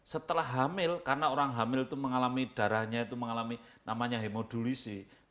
setelah hamil karena orang hamil itu mengalami darahnya itu mengalami namanya hemodulisi